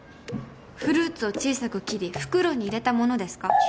フルーツを小さく切り袋に入れたものですか？